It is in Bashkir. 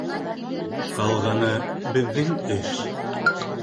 Ҡалғаны - беҙҙең эш.